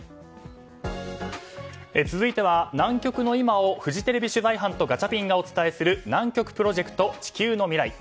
続いては、南極の今をフジテレビ取材班とガチャピンがお伝えする南極プロジェクト地球のミライ。